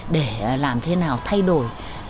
để làm thế nào thay đổi